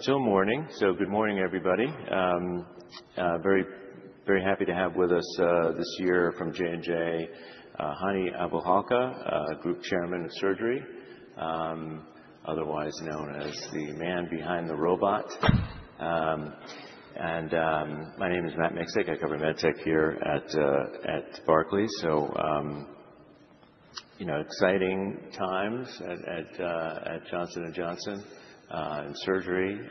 Still morning. Good morning, everybody. Very happy to have with us this year from J&J, Hani Abouhalka, Group Chairman of Surgery, otherwise known as the man behind the robot. My name is Matt Miksic. I cover MedTech here at Barclays. You know, exciting times at Johnson & Johnson in surgery.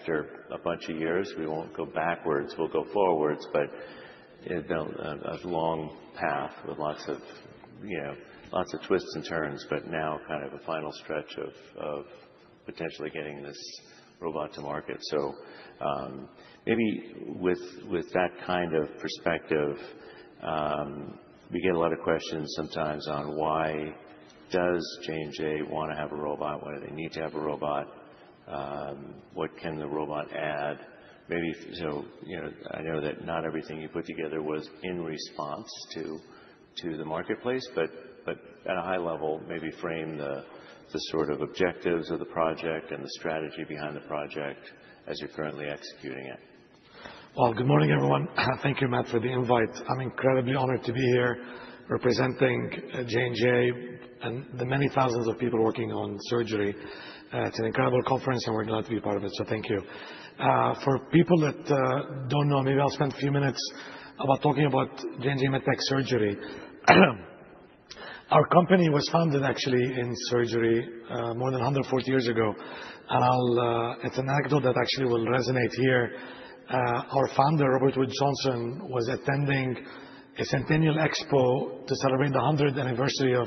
After a bunch of years, we won't go backwards, we'll go forwards, but it built a long path with lots of, you know, lots of twists and turns, but now kind of a final stretch of potentially getting this robot to market. Maybe with that kind of perspective, we get a lot of questions sometimes on why does J&J want to have a robot? Why do they need to have a robot? What can the robot add? Maybe so, you know, I know that not everything you put together was in response to the marketplace, but at a high level, maybe frame the sort of objectives of the project and the strategy behind the project as you're currently executing it. Well, good morning, everyone. Thank you Matt, for the invite. I'm incredibly honored to be here representing J&J and the many thousands of people working on surgery. It's an incredible conference and we're glad to be a part of it, so thank you. For people that don't know, maybe I'll spend a few minutes about talking about J&J MedTech surgery. Our company was founded actually in surgery, more than 140 years ago. It's an anecdote that actually will resonate here. Our founder, Robert Wood Johnson, was attending a Centennial Expo to celebrate the 100th anniversary of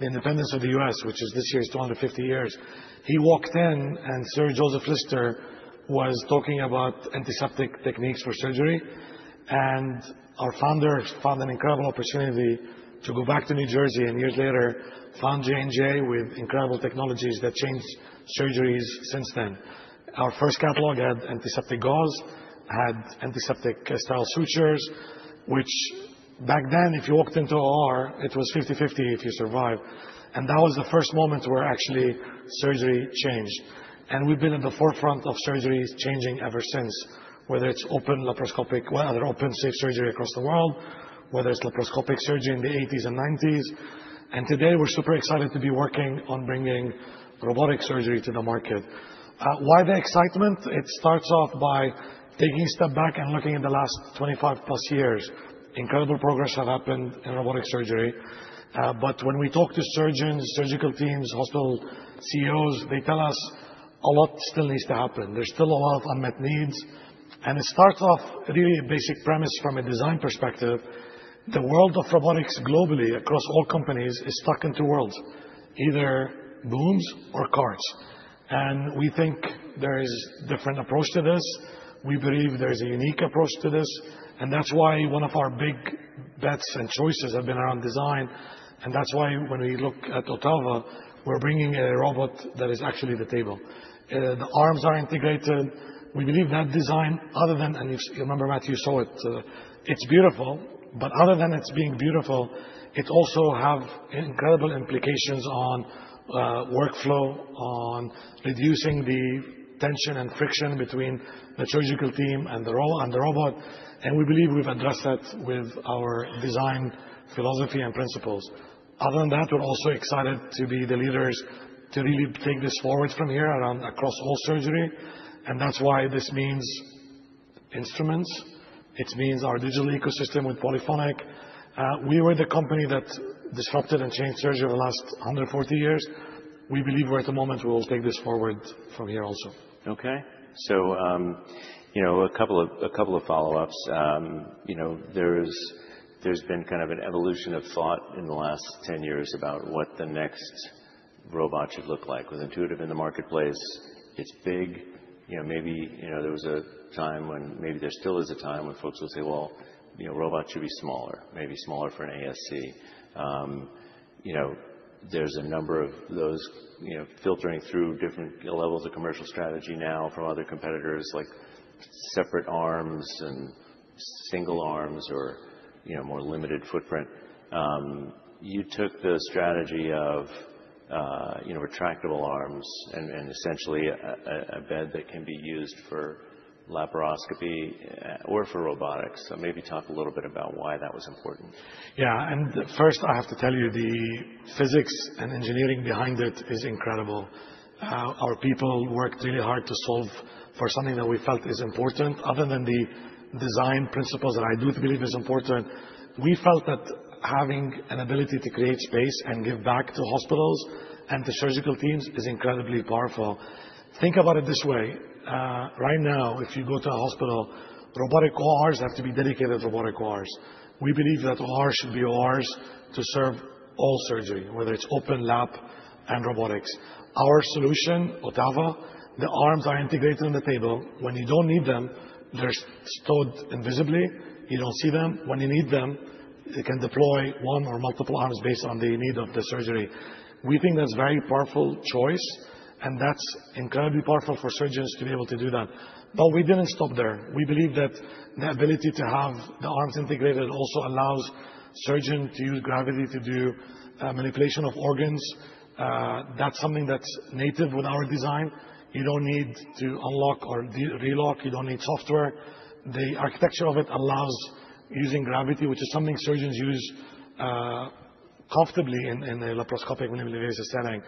the independence of the U.S., which is this year's 250 years. He walked in, and Sir Joseph Lister was talking about antiseptic techniques for surgery. Our founder found an incredible opportunity to go back to New Jersey, and years later, found J&J with incredible technologies that changed surgeries since then. Our first catalog had antiseptic gauze, had antiseptic sterile sutures, which back then, if you walked into OR, it was 50-50 if you survived. That was the first moment where actually surgery changed. We've been at the forefront of surgeries changing ever since, whether it's other open safe surgery across the world, whether it's laparoscopic surgery in the 1980s and 1990s. Today, we're super excited to be working on bringing robotic surgery to the market. Why the excitement? It starts off by taking a step back and looking in the last 25+ years. Incredible progress have happened in robotic surgery. When we talk to surgeons, surgical teams, hospital CEOs, they tell us a lot still needs to happen. There's still a lot of unmet needs. It starts off really a basic premise from a design perspective. The world of robotics globally, across all companies, is stuck in two worlds, either booms or carts. We think there is different approach to this. We believe there is a unique approach to this, and that's why one of our big bets and choices have been around design. That's why when we look at OTTAVA, we're bringing a robot that is actually the table. The arms are integrated. If you remember, Matt, you saw it. It's beautiful, but other than it's being beautiful, it also have incredible implications on workflow, on reducing the tension and friction between the surgical team and the robot. We believe we've addressed that with our design philosophy and principles. Other than that, we're also excited to be the leaders to really take this forward from here around, across all surgery, and that's why this means instruments. It means our digital ecosystem with Polyphonic. We were the company that disrupted and changed surgery over the last 140 years. We believe we're at the moment, we will take this forward from here also. Okay. A couple of follow-ups. You know, there's been kind of an evolution of thought in the last 10 years about what the next robot should look like. With Intuitive in the marketplace, it's big. You know, maybe there was a time when maybe there still is a time when folks will say, "Well, you know, robots should be smaller. Maybe smaller for an ASC." You know, there's a number of those filtering through different levels of commercial strategy now from other competitors, like separate arms and single arms or you know, more limited footprint. You took the strategy of you know, retractable arms and essentially a bed that can be used for laparoscopy or for robotics. Maybe talk a little bit about why that was important. I have to tell you, the physics and engineering behind it is incredible. Our people worked really hard to solve for something that we felt is important other than the design principles that I do believe is important. We felt that having an ability to create space and give back to hospitals and to surgical teams is incredibly powerful. Think about it this way. Right now, if you go to a hospital, robotic ORs have to be dedicated robotic ORs. We believe that ORs should be ORs to serve all surgery, whether it's open lap and robotics. Our solution, OTTAVA, the arms are integrated in the table. When you don't need them, they're stowed invisibly. You don't see them. When you need them, it can deploy one or multiple arms based on the need of the surgery. We think that's very powerful choice, and that's incredibly powerful for surgeons to be able to do that. We didn't stop there. We believe that the ability to have the arms integrated also allows surgeon to use gravity to do manipulation of organs. That's something that's native with our design. You don't need to unlock or re-relock. You don't need software. The architecture of it allows using gravity, which is something surgeons use comfortably in a laparoscopic when it raises the ceiling.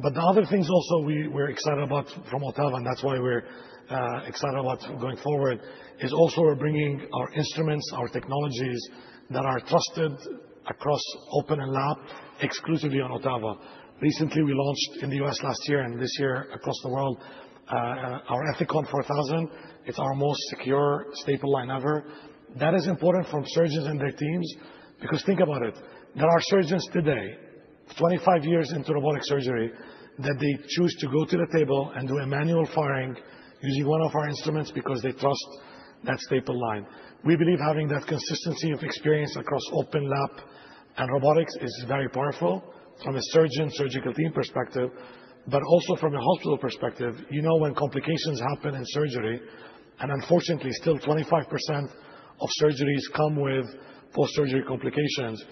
The other things also we're excited about from OTTAVA, and that's why we're excited about going forward, is also we're bringing our instruments, our technologies that are trusted across open and lap exclusively on OTTAVA. Recently, we launched in the U.S. last year, and this year across the world our ETHICON 4000. It's our most secure staple line ever. That is important from surgeons and their teams because think about it. There are surgeons today, 25 years into robotic surgery, that they choose to go to the table and do a manual firing using one of our instruments because they trust that staple line. We believe having that consistency of experience across open lap and robotics is very powerful from a surgeon, surgical team perspective, but also from a hospital perspective. You know, when complications happen in surgery, and unfortunately still 25% of surgeries come with post-surgery complications.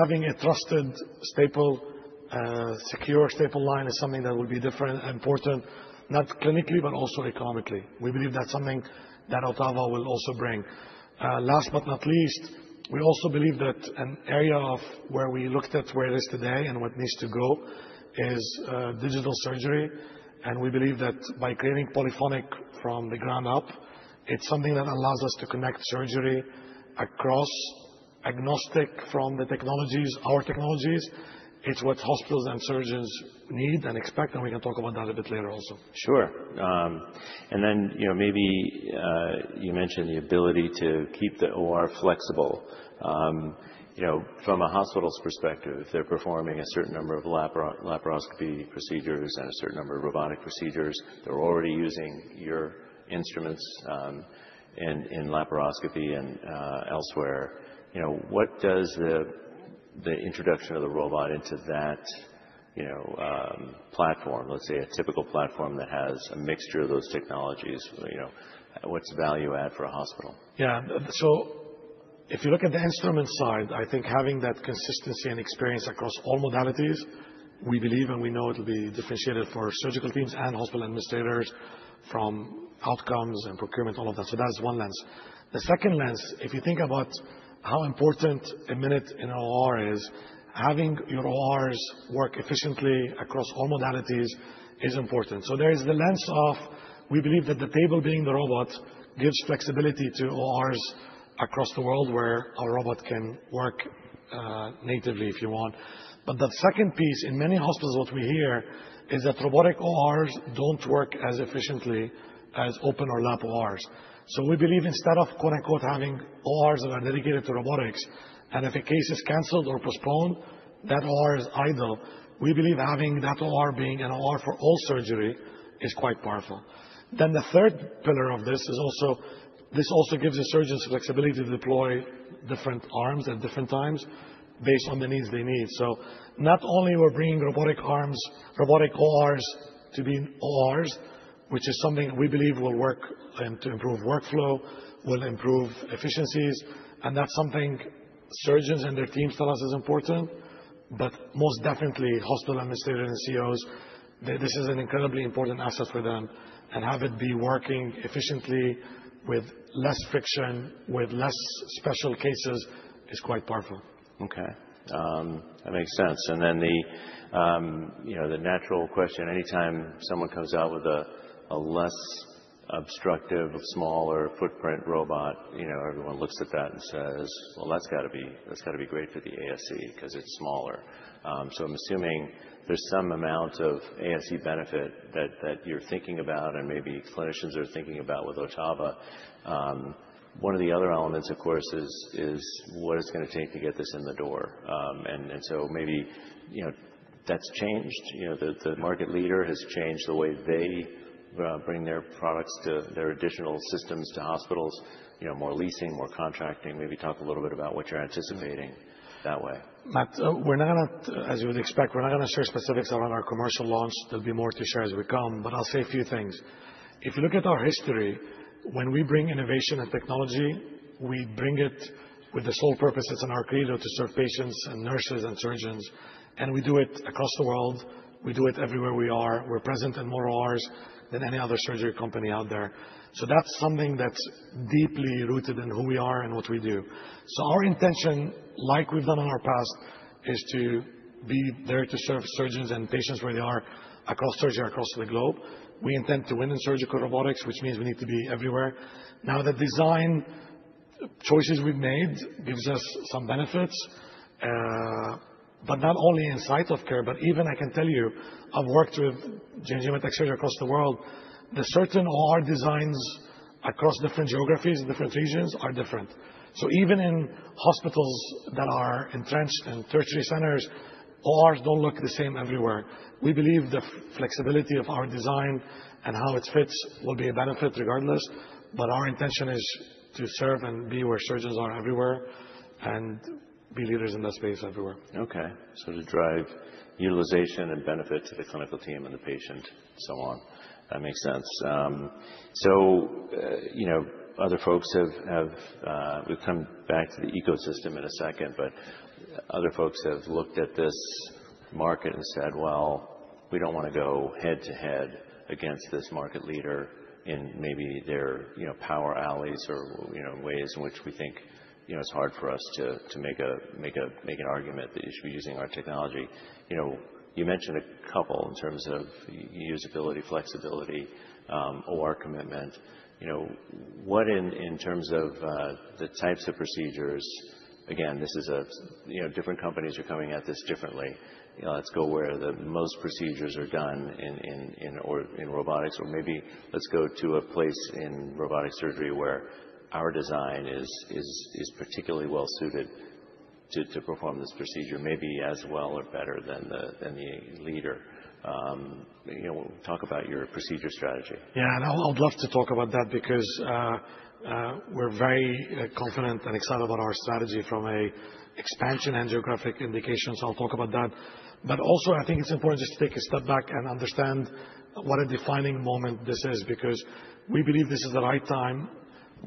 Having a trusted staple, secure staple line is something that will be different and important, not clinically, but also economically. We believe that's something that OTTAVA will also bring. Last but not least, we also believe that an area of where we looked at where it is today and what needs to go is, digital surgery. We believe that by creating Polyphonic from the ground up, it's something that allows us to connect surgery across agnostic from the technologies, our technologies. It's what hospitals and surgeons need and expect, and we can talk about that a bit later also. Sure. You know, maybe you mentioned the ability to keep the OR flexible. You know, from a hospital's perspective, they're performing a certain number of laparoscopy procedures and a certain number of robotic procedures. They're already using your instruments in laparoscopy and elsewhere. You know, what does the introduction of the robot into that, you know, platform, let's say a typical platform that has a mixture of those technologies, you know, what's the value add for a hospital? Yeah. If you look at the instrument side, I think having that consistency and experience across all modalities, we believe and we know it'll be differentiated for surgical teams and hospital administrators from outcomes and procurement, all of that. That is one lens. The second lens, if you think about how important a minute in OR is, having your ORs work efficiently across all modalities is important. There is the lens of, we believe that the table being the robot gives flexibility to ORs across the world where our robot can work, natively, if you want. The second piece in many hospitals, what we hear is that robotic ORs don't work as efficiently as open or lap ORs. We believe instead of quote unquote, "Having ORs that are dedicated to robotics," and if a case is canceled or postponed, that OR is idle. We believe having that OR being an OR for all surgery is quite powerful. The third pillar of this is also this also gives the surgeons flexibility to deploy different arms at different times based on the needs they need. Not only we're bringing robotic arms, robotic ORs to be in ORs, which is something we believe will work and to improve workflow, will improve efficiencies, and that's something surgeons and their teams tell us is important, but most definitely hospital administrators and CEOs, this is an incredibly important asset for them. Have it be working efficiently with less friction, with less special cases is quite powerful. Okay. That makes sense. The natural question, anytime someone comes out with a less obstructive, smaller footprint robot, you know, everyone looks at that and says, "Well, that's gotta be great for the ASC 'cause it's smaller." I'm assuming there's some amount of ASC benefit that you're thinking about and maybe clinicians are thinking about with OTTAVA. One of the other elements, of course, is what it's gonna take to get this in the door. Maybe, you know, that's changed. You know, the market leader has changed the way they bring their products to their additional systems to hospitals, you know, more leasing, more contracting. Maybe talk a little bit about what you're anticipating that way. Matt, we're not gonna, as you would expect, we're not gonna share specifics around our commercial launch. There'll be more to share as we come, but I'll say a few things. If you look at our history, when we bring innovation and technology, we bring it with the sole purpose that's in our Credo to serve patients and nurses and surgeons, and we do it across the world. We do it everywhere we are. We're present in more ORs than any other surgery company out there. That's something that's deeply rooted in who we are and what we do. Our intention, like we've done in our past, is to be there to serve surgeons and patients where they are across surgery, across the globe. We intend to win in surgical robotics, which means we need to be everywhere. Now, the design choices we've made gives us some benefits, but not only in site of care, but even I can tell you, I've worked with J&J MedTech surgery across the world. The certain OR designs across different geographies, different regions are different. Even in hospitals that are entrenched in tertiary centers, ORs don't look the same everywhere. We believe the flexibility of our design and how it fits will be a benefit regardless, but our intention is to serve and be where surgeons are everywhere and be leaders in that space everywhere. Okay. To drive utilization and benefit to the clinical team and the patient and so on. That makes sense. We'll come back to the ecosystem in a second, but other folks have looked at this market and said, "Well, we don't wanna go head-to-head against this market leader in maybe their, you know, power alleys or, you know, ways in which we think, you know, it's hard for us to make an argument that you should be using our technology." You know, you mentioned a couple in terms of usability, flexibility, OR commitment. You know, what in terms of the types of procedures, again, this is a, you know, different companies are coming at this differently. You know, let's go where the most procedures are done in or in robotics or maybe let's go to a place in robotic surgery where our design is particularly well suited to perform this procedure, maybe as well or better than the leader. You know, talk about your procedure strategy. Yeah. I would love to talk about that because we're very confident and excited about our strategy from an expansion and geographic indications. I'll talk about that. Also, I think it's important just to take a step back and understand what a defining moment this is. Because we believe this is the right time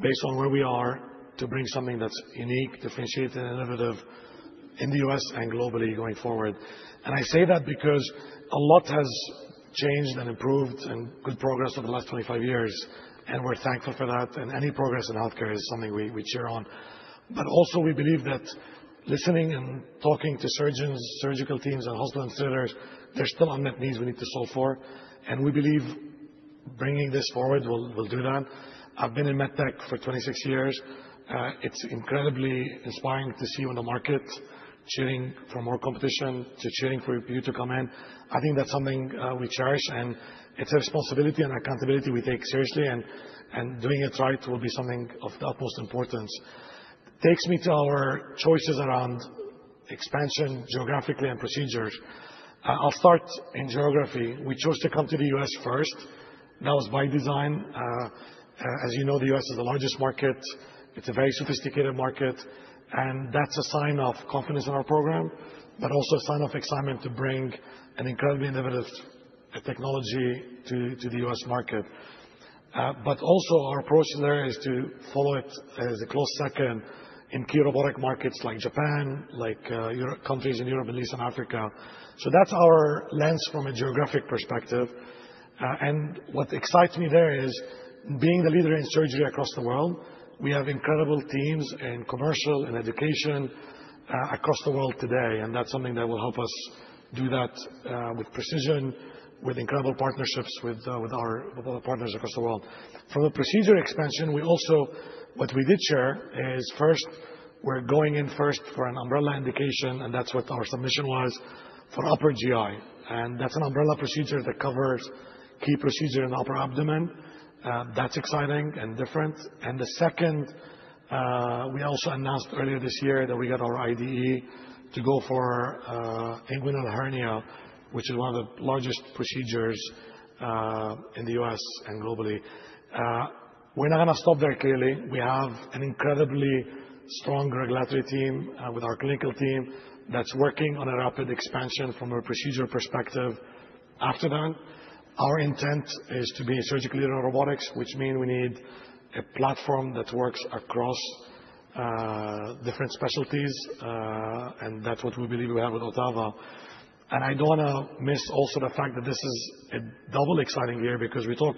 based on where we are, to bring something that's unique, differentiated, and innovative in the U.S. and globally going forward. I say that because a lot has changed and improved and good progress over the last 25 years, and we're thankful for that. Any progress in healthcare is something we cheer on. Also we believe that listening and talking to surgeons, surgical teams, and hospital administrators, there's still unmet needs we need to solve for, and we believe bringing this forward will do that. I've been in MedTech for 26 years. It's incredibly inspiring to see you in the market cheering for more competition, to cheering for you to come in. I think that's something we cherish, and it's a responsibility and accountability we take seriously, and doing it right will be something of the utmost importance. Takes me to our choices around expansion geographically and procedures. I'll start in geography. We chose to come to the U.S. first. That was by design. As you know, the U.S. is the largest market. It's a very sophisticated market, and that's a sign of confidence in our program, but also a sign of excitement to bring an incredibly innovative technology to the U.S. market. Our approach there is to follow it as a close second in key robotic markets like Japan, like, European countries in Europe, Middle East, and Africa. That's our lens from a geographic perspective. What excites me there is being the leader in surgery across the world, we have incredible teams in commercial and education across the world today, and that's something that will help us do that with precision, with incredible partnerships with our partners across the world. For the procedure expansion, what we did share is first, we're going in first for an umbrella indication, and that's what our submission was for upper GI. That's an umbrella procedure that covers key procedure in the upper abdomen. That's exciting and different. The second, we also announced earlier this year that we got our IDE to go for, inguinal hernia, which is one of the largest procedures, in the U.S. and globally. We're not gonna stop there, clearly. We have an incredibly strong regulatory team, with our clinical team that's working on a rapid expansion from a procedure perspective. After that, our intent is to be surgically in robotics, which mean we need a platform that works across, different specialties. That's what we believe we have with OTTAVA. I don't wanna miss also the fact that this is a double exciting year because we talk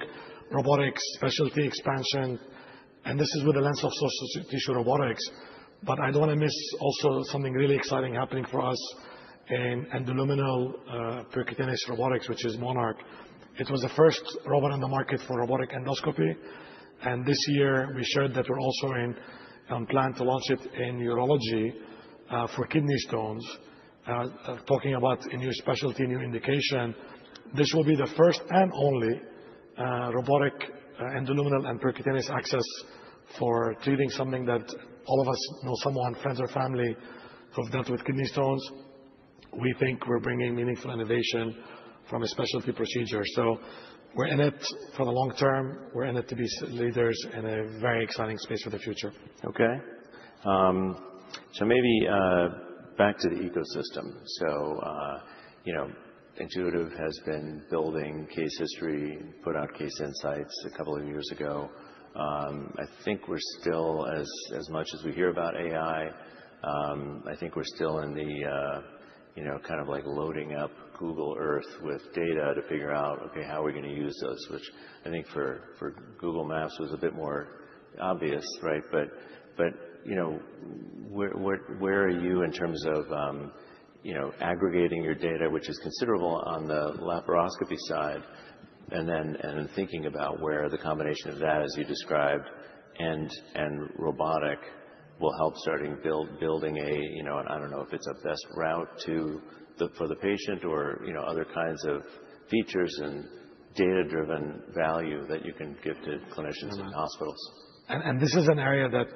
robotics, specialty expansion, and this is with the lens of soft tissue robotics. I don't wanna miss also something really exciting happening for us in endoluminal, percutaneous robotics, which is MONARCH. It was the first robot in the market for robotic endoscopy. This year we shared that we're also in on plan to launch it in urology, for kidney stones. Talking about a new specialty, new indication. This will be the first and only, robotic endoluminal and percutaneous access for treating something that all of us know someone, friends or family, who've dealt with kidney stones. We think we're bringing meaningful innovation from a specialty procedure. We're in it for the long term. We're in it to be leaders in a very exciting space for the future. Okay. Maybe back to the ecosystem. You know, Intuitive has been building case history, put out Case Insights a couple of years ago. I think we're still as much as we hear about AI, I think we're still in the, you know, kind of like loading up Google Earth with data to figure out, okay, how are we gonna use those? Which I think for Google Maps was a bit more obvious, right? You know, where are you in terms of, you know, aggregating your data, which is considerable on the laparoscopy side, and then, and in thinking about where the combination of that as you described and robotic will help building a, you know, I don't know if it's a best route to the... for the patient or, you know, other kinds of features and data-driven value that you can give to clinicians and hospitals. This is an area that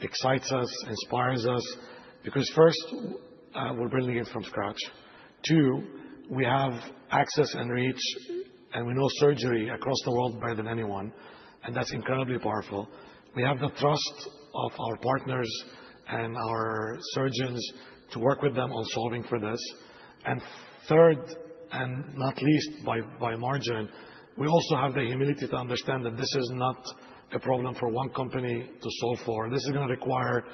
excites us, inspires us because first, we're building it from scratch. Two, we have access and reach, and we know surgery across the world better than anyone, and that's incredibly powerful. We have the trust of our partners and our surgeons to work with them on solving for this. Third, and not least by margin, we also have the humility to understand that this is not a problem for one company to solve for. This is gonna require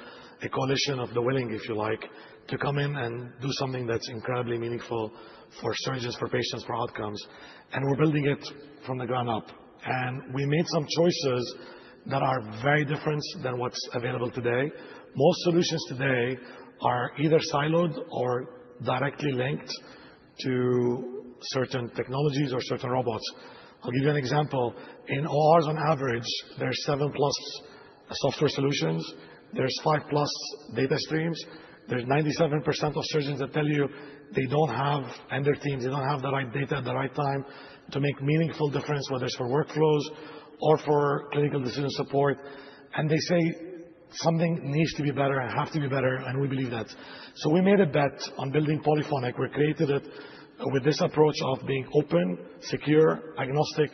a coalition of the willing, if you like, to come in and do something that's incredibly meaningful for surgeons, for patients, for outcomes, and we're building it from the ground up. We made some choices that are very different than what's available today. Most solutions today are either siloed or directly linked to certain technologies or certain robots. I'll give you an example. In ORs on average, there are ten plus software solutions. There's five plus data streams. There's 97% of surgeons that tell you they don't have, and their teams, they don't have the right data at the right time to make meaningful difference, whether it's for workflows or for clinical decision support. They say something needs to be better and it has to be better, and we believe that. We made a bet on building Polyphonic. We created it with this approach of being open, secure, agnostic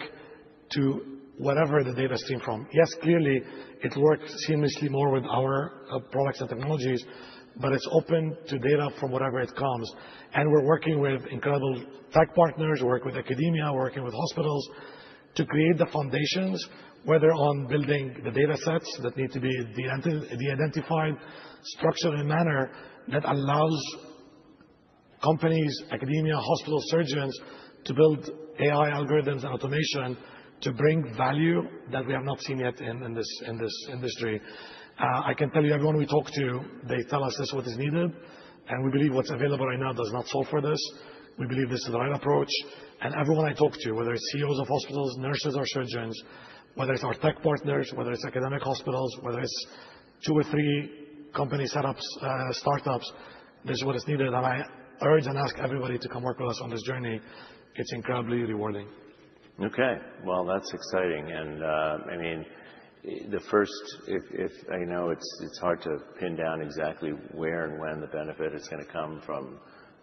to whatever the data's sourced from. Yes, clearly, it works more seamlessly with our products and technologies, but it's open to data from wherever it comes. We're working with incredible tech partners, working with academia, working with hospitals to create the foundations, whether on building the data sets that need to be de-identified, structured in a manner that allows companies, academia, hospital surgeons to build AI algorithms and automation to bring value that we have not seen yet in this industry. I can tell you everyone we talk to, they tell us this is what is needed, and we believe what's available right now does not solve for this. We believe this is the right approach. Everyone I talk to, whether it's CEOs of hospitals, nurses or surgeons, whether it's our tech partners, whether it's academic hospitals, whether it's two or three company setups, startups, this is what is needed. I urge and ask everybody to come work with us on this journey. It's incredibly rewarding. Okay. Well, that's exciting. I mean, I know it's hard to pin down exactly where and when the benefit is gonna come from,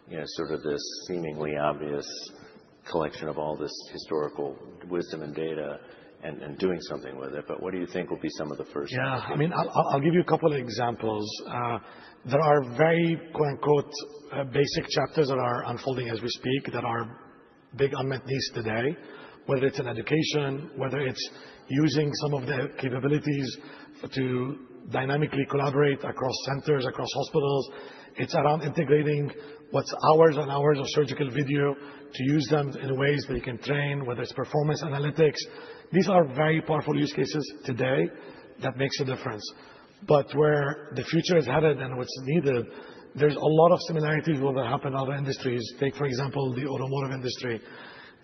you know, sort of this seemingly obvious collection of all this historical wisdom and data and doing something with it, but what do you think will be some of the first steps here? Yeah. I mean, I'll give you a couple of examples. There are very quote-unquote basic chapters that are unfolding as we speak that are big unmet needs today, whether it's in education, whether it's using some of the capabilities to dynamically collaborate across centers, across hospitals. It's around integrating what's hours and hours of surgical video to use them in ways that you can train, whether it's performance analytics. These are very powerful use cases today that makes a difference. Where the future is headed and what's needed, there's a lot of similarities with what happened in other industries. Take, for example, the automotive industry.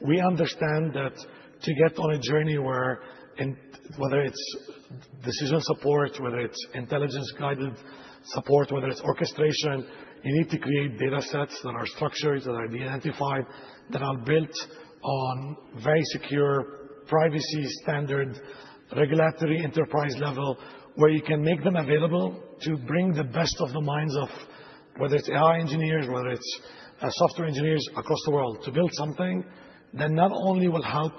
We understand that to get on a journey where in. Whether it's decision support, whether it's intelligence-guided support, whether it's orchestration, you need to create data sets that are structured, that are de-identified, that are built on very secure privacy standard, regulatory enterprise level, where you can make them available to bring the best of the minds of whether it's AI engineers, whether it's software engineers across the world, to build something that not only will help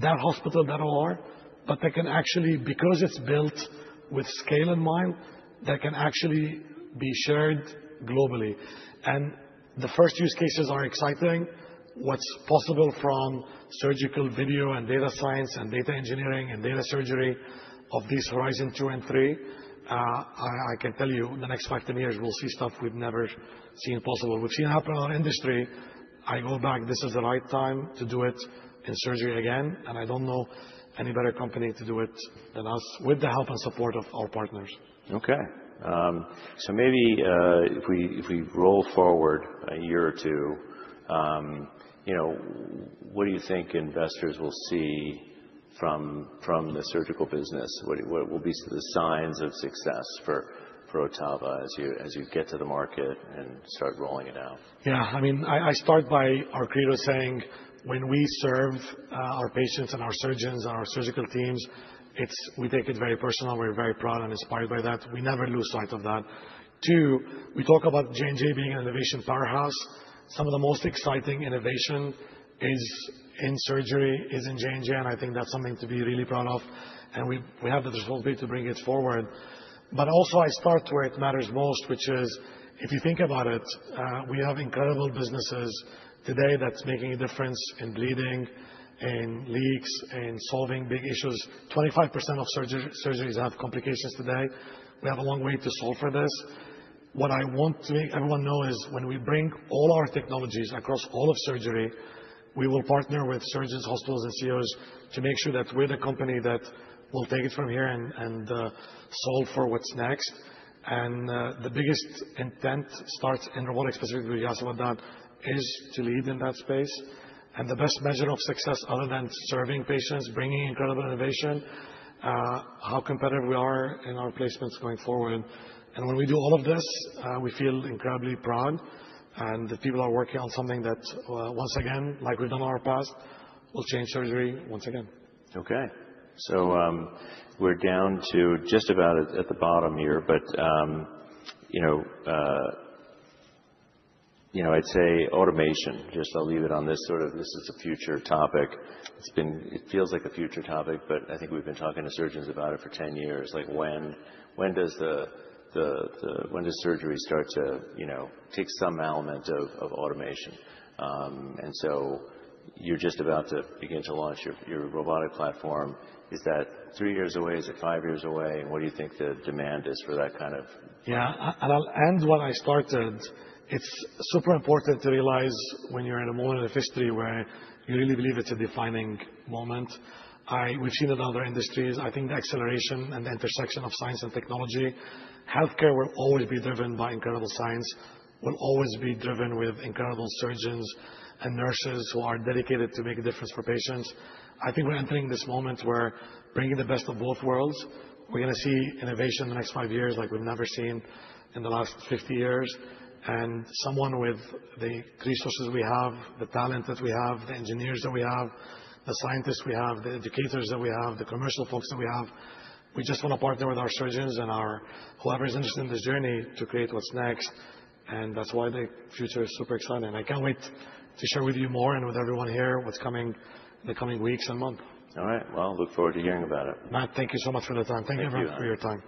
that hospital, that OR, but that can actually, because it's built with scale in mind, that can actually be shared globally. The first use cases are exciting. What's possible from surgical video and data science and data engineering and data surgery of this horizon two and three, I can tell you in the next 5, 10 years, we'll see stuff we've never seen possible. We've seen it happen in our industry. I go back, this is the right time to do it in surgery again, and I don't know any better company to do it than us with the help and support of our partners. If we roll forward a year or two, what do you think investors will see from the surgical business? What will be the signs of success for OTTAVA as you get to the market and start rolling it out? I mean, I start by our Credo saying, when we serve our patients and our surgeons and our surgical teams, it's. We take it very personal. We're very proud and inspired by that. We never lose sight of that. Two, we talk about J&J being an innovation powerhouse. Some of the most exciting innovation is in surgery, is in J&J, and I think that's something to be really proud of, and we have the resolve to bring it forward. Also I start where it matters most, which is, if you think about it, we have incredible businesses today that's making a difference in bleeding, in leaks, in solving big issues. 25% of surgeries have complications today. We have a long way to solve for this. What I want to make everyone know is when we bring all our technologies across all of surgery, we will partner with surgeons, hospitals, and CEOs to make sure that we're the company that will take it from here and solve for what's next. The biggest intent starts in robotic surgery. We asked about that, is to lead in that space. The best measure of success other than serving patients, bringing incredible innovation, how competitive we are in our placements going forward. When we do all of this, we feel incredibly proud, and the people are working on something that, once again, like we've done in our past, will change surgery once again. Okay. We're down to just about at the bottom here. You know, I'd say automation. I'll leave it on this sort of. This is a future topic. It feels like a future topic, but I think we've been talking to surgeons about it for 10 years. Like, when does surgery start to, you know, take some element of automation? You're just about to begin to launch your robotic platform. Is that 3 years away? Is it five years away? What do you think the demand is for that kind of platform? Yeah. I'll end where I started. It's super important to realize when you're in a moment of history where you really believe it's a defining moment. We've seen it in other industries. I think the acceleration and the intersection of science and technology, healthcare will always be driven by incredible science, will always be driven with incredible surgeons and nurses who are dedicated to make a difference for patients. I think we're entering this moment where bringing the best of both worlds, we're gonna see innovation in the next five years like we've never seen in the last 50 years. Someone with the resources we have, the talent that we have, the engineers that we have, the scientists we have, the educators that we have, the commercial folks that we have, we just wanna partner with our surgeons and our... Whoever's interested in this journey to create what's next, and that's why the future is super exciting. I can't wait to share with you more and with everyone here what's coming in the coming weeks and months. All right. Well, look forward to hearing about it. Matt, thank you so much for the time. Thank you everyone for your time.